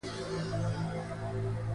بې نسخي درمل مه کاروی